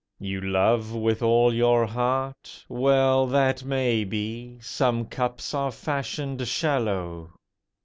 You love with all your heart? Well, that may be; Some cups are fashioned shallow.